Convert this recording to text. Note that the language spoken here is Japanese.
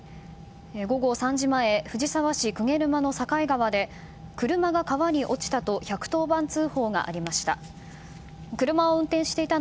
午後３時前、藤沢市鵠沼の境川で車が川に落ちたと１１０番通報がありました。